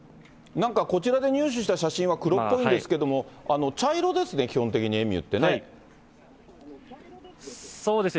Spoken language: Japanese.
なんかこちらで入手した写真は、黒っぽいんですけれども、茶色ですね、基本的そうですね。